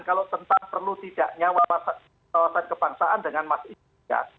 kalau tentang perlu tidak nyawa wawasan kebangsaan dengan mas isin juga